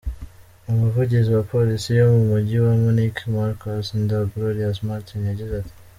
Umuvugizi wa polisi yo mu mujyi wa Munich, marcus da Gloria Martins yagize ati:.